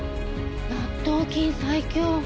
納豆菌最強。